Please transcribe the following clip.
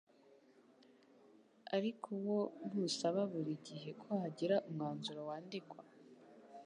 ariko wo ntusaba buri gihe ko hagira umwanzuro wandikwa